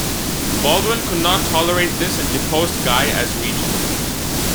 Baldwin could not tolerate this and deposed Guy as regent.